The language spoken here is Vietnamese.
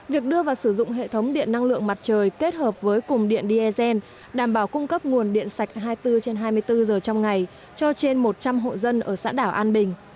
việc đưa vào sử dụng hệ thống điện năng lượng mặt trời kết hợp với cùng điện dsn đảm bảo cung cấp nguồn điện sạch hai mươi bốn trên hai mươi bốn giờ trong ngày cho trên một trăm linh hộ dân ở xã đảo an bình